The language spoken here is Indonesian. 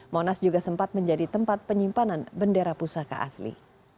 monas juga sempat menjadi tempat penyimpanan bendera pusaka asli